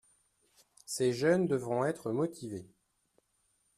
Ces jeunes devront être motivés.